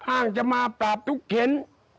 อ้างจะมาปราบทุกเข็น